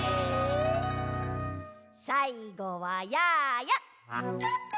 さいごはやーや。